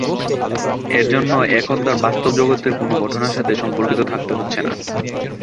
এর জন্য এখন তার বাস্তব জগতের কোন ঘটনার সাথে সম্পর্কিত থাকতে হচ্ছে না।